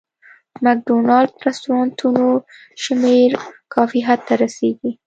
د مک ډونالډ رستورانتونو شمېر کافي حد ته ورسېږي.